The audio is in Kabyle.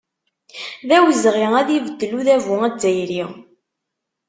D awezɣi ad ibeddel udabu azzayri.